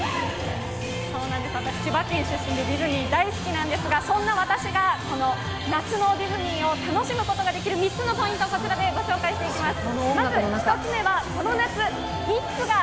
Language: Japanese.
そうなんです、私、千葉県出身で、ディズニー大好きなんですが、そんな私がこの夏のディズニーを楽しむことができる３つのポイント、ご紹介します。